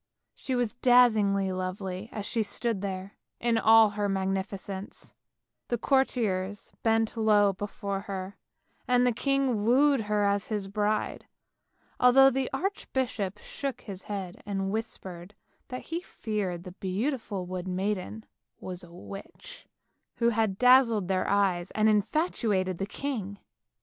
She was dazzingly lovely as she stood there in all her magnificence; the courtiers bent low before her, and the king wooed her as his bride, although the archbishop shook his head, and whispered that he feared the beautiful wood maiden was a witch, who had dazzled their eyes and infatuated the king.